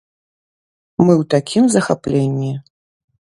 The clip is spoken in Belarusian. Мы ў такім захапленні!